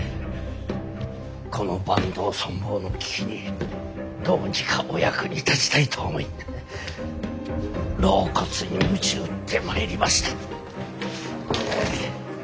この坂東存亡の危機にどうにかお役に立ちたいと思い老骨にむち打って参りました。